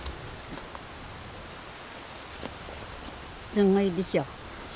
すごいでしょ。